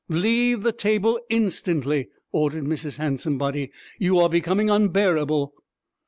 'Leave the table instantly!' ordered Mrs. Handsomebody. 'You are becoming unbearable.'